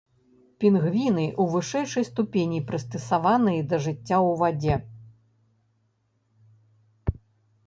Пінгвіны, у вышэйшай ступені прыстасаваныя да жыцця ў вадзе.